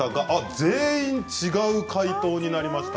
全員違う解答になりました。